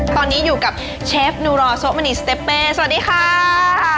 ตอนนี้อยู่กับเชฟนูรอโซะมณีสเต้สวัสดีค่ะ